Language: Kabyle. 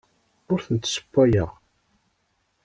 Ur tent-ssewwayeɣ.